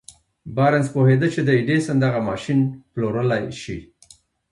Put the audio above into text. بارنس پوهېده چې د ايډېسن دغه ماشين پلورلای شي.